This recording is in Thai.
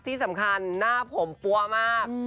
ที่สำคัญหน้าผมปั้วมาก